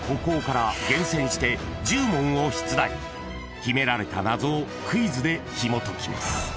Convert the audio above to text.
［秘められた謎をクイズでひもときます］